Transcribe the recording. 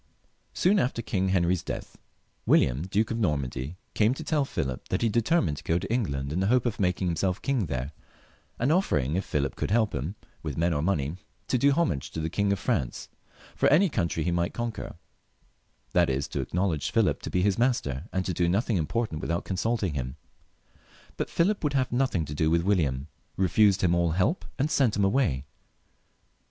Soon after King Henry's death, William, Duke of Normandy, came to tell Philip that he had determined to go to En^and in hopes of making himself king there, and offering if Philip would help him with men or money, to do homage to the King of France for any country he might conquer, that is to acknowledge Philip to be his master, and to do nothing im portant without consulting him. But Philip would have nothing to do with William, refused him all help, and sent him away.